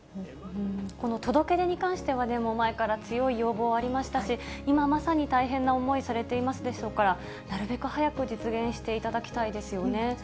この届け出に関しては前から強い要望ありましたし、今まさに大変な思いされてますでしょうから、なるべく早く実現しそうですね。